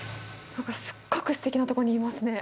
何かすっごくすてきなとこにいますね。